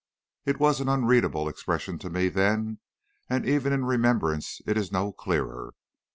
It was an unreadable expression to me then, and even in remembrance it is no clearer.